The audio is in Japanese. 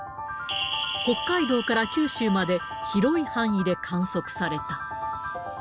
北海道から九州まで広い範囲で観測された。